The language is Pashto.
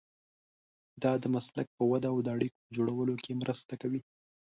دا د مسلک په وده او د اړیکو په جوړولو کې مرسته کوي.